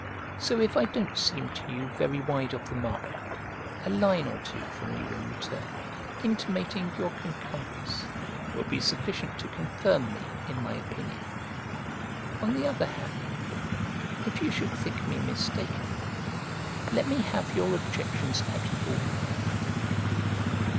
So if I don't seem to you very wide of the mark, a line or two from you in return, intimating your concurrence, will be sufficient to confirm me in my opinion: on the other hand, if you should think me mistaken, let me have your objections at full length.